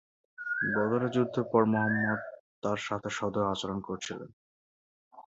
বদরের যুদ্ধের পর মুহাম্মদ তার সাথে সদয় আচরণ করেছিলেন।